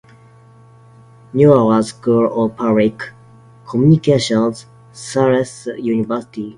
Newhouse School of Public Communications, Syracuse University.